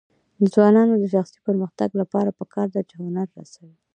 د ځوانانو د شخصي پرمختګ لپاره پکار ده چې هنر رسوي.